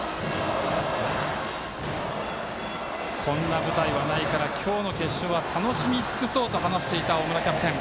こんな舞台はないから今日の決勝は楽しみつくそうと話していた大村キャプテン。